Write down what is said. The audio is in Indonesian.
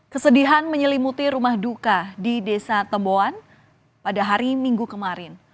kesedihan menyelimuti rumah duka di desa temboan pada hari minggu kemarin